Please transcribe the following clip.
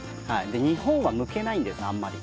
日本は剥けないんですあんまり。